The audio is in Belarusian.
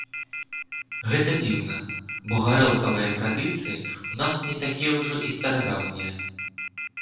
Гэта дзіўна, бо гарэлкавыя традыцыі ў нас не такія ўжо і старадаўнія.